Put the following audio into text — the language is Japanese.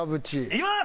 いきます！